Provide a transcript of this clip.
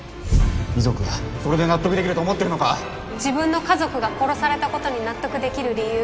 遺族がそれで納得できると思ってるの自分の家族が殺されたことに納得できる理由。